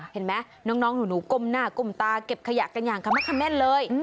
เห็นไหมน้องหนูก้มหน้าก้มตาเก็บขยะกันอย่างขมะเขม่นเลย